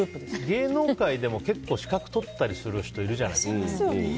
芸能界でも結構資格取ったりする人いるじゃない。